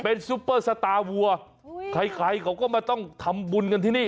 เป็นซุปเปอร์สตาร์วัวใครใครเขาก็มาต้องทำบุญกันที่นี่